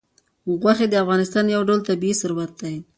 غوښې د افغانستان یو ډول طبعي ثروت دی.